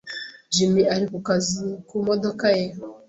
Jim ari kukazi kumodoka ye.